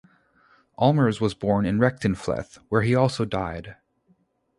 Allmers was born in Rechtenfleth, where he also died.